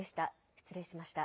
失礼しました。